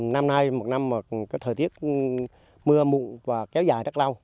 năm nay một năm thời tiết mưa mụn và kéo dài rất lâu